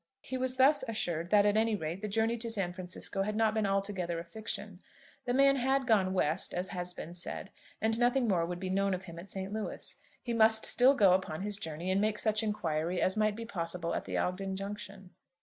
He was thus assured that at any rate the journey to San Francisco had not been altogether a fiction. The man had gone "West," as had been said, and nothing more would be known of him at St. Louis. He must still go on upon his journey and make such inquiry as might be possible at the Ogden Junction.